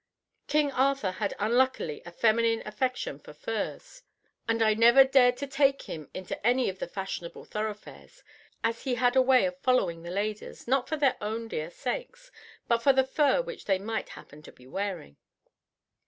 King Arthur had unluckily a feminine affection for furs, and I never dared to take him into any of the fashionable thoroughfares, as he had a way of following the ladies, not for their own dear sakes, but for the fur which they might happen to be wearing.